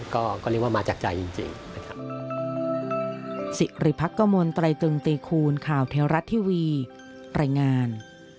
ก็เรียกว่ามาจากใจจริงนะครับ